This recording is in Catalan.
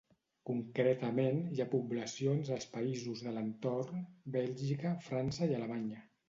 Concretament, hi ha poblacions als països de l'entorn, Bèlgica, França i Alemanya.